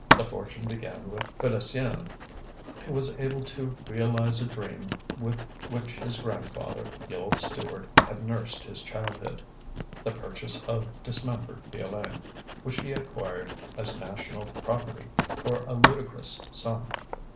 The fortune began with Félicien, who was able to realize a dream with which his grandfather, the old steward, had nursed his childhood the purchase of dismembered Piolaine, which he acquired as national property for a ludicrous sum.